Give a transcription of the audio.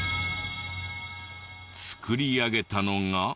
作り上げたのが。